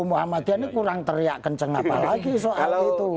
muhammadiyah ini kurang teriak kenceng apa lagi soal itu